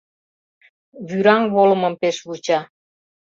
Вӱраҥ волымым пеш вуча